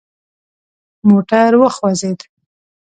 موټر وخوځید.